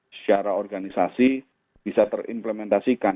secara organisasi bisa terimplementasikan